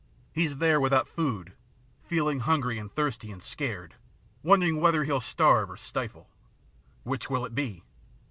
He's there without food, feeling hungry and thirsty and scared, wondering whether he'll starve or stifle. Which will it be?